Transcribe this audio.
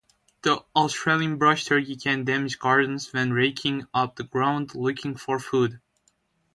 The Australian brushturkey can damage gardens when raking up the ground looking for food.